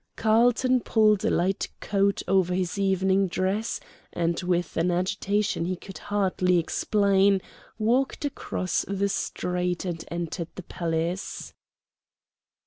Carlton pulled a light coat over his evening dress, and, with an agitation he could hardly explain, walked across the street and entered the palace.